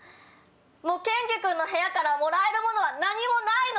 もうケンジ君の部屋からもらえる物は何もないの！